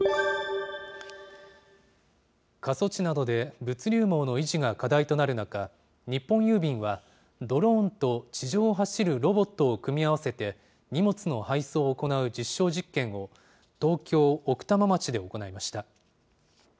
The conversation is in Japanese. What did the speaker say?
過疎地などで物流網の維持が課題となる中、日本郵便は、ドローンと地上を走るロボットを組み合わせて、荷物の配送を行う実証実験を東京・奥多摩町で行いました。